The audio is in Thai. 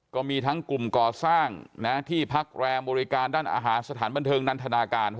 ก็มีทั้งกลุ่มก่อสร้างที่พักแรมบริการด้านอาหารสถานบันเทิงนันทนาการ